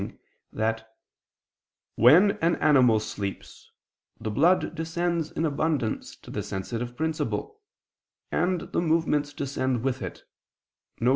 ] that "when an animal sleeps, the blood descends in abundance to the sensitive principle, and the movements descend with it, viz.